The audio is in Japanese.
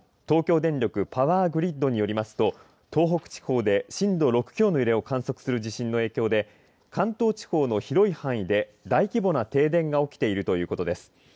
東京電力パワーグリッドによりますと東北地方で震度６強の揺れを観測する地震の影響で関東地方の広い範囲で大規模な停電が起きているということです。